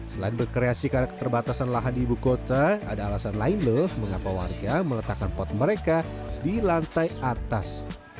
selain berkreasi karena keterbatasan lahan di ibu kota ada alasan lain loh mengapa warga meletakkan pot mereka di lantai atas